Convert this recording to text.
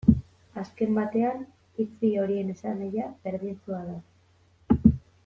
Azken batean, hitz bi horien esanahia berdintsua da.